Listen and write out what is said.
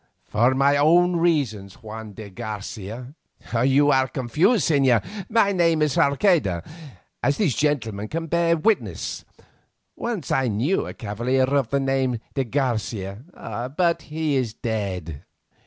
_" "For my own reasons, Juan de Garcia." "You are confused, señor. My name is Sarceda, as these gentlemen can bear me witness. Once I knew a cavalier of the name of de Garcia, but he is dead."